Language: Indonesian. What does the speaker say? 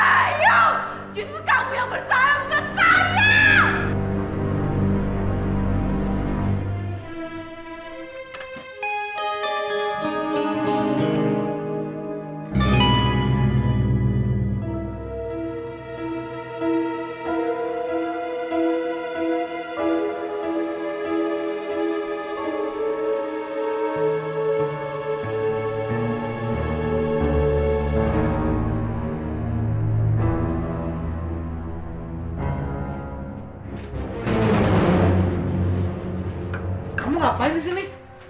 apa yang kamu lakukan di sini